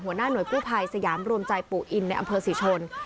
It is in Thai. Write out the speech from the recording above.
หัวหน้าหน่วยกู้ภัยสยามรวมใจปู่อินในอำเภอศรีชน